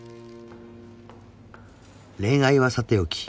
［恋愛はさておき